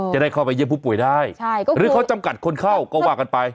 จะได้เข้าไปเยี่ยมผู้ป่วยได้หรือเขาจำกัดคนเข้าก็ว่ากันไป